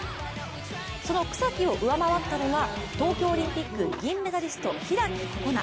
その草木を上回ったのは東京オリンピック銀メダリスト、開心那。